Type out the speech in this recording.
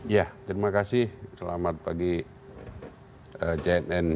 ya terima kasih selamat pagi jnn